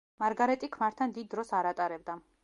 მარგარეტი ქმართან დიდ დროს არ ატარებდა.